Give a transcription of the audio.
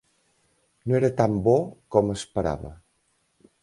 No era tan bo com esperava.